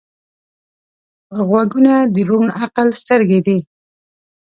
غوږونه د روڼ عقل سترګې دي